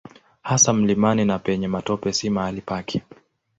Hasa mlimani na penye matope si mahali pake.